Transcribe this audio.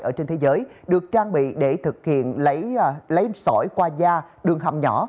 ở trên thế giới được trang bị để thực hiện lấy sỏi qua da đường hầm nhỏ